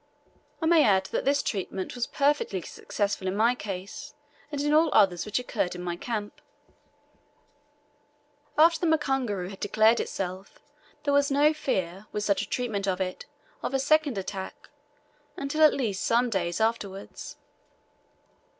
I may add that this treatment was perfectly successful in my case, and in all others which occurred in my camp. After the mukunguru had declared itself, there was no fear, with such a treatment of it, of a second attack, until at least some days afterwards.